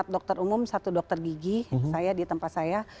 empat dokter umum satu dokter gigi saya di tempat saya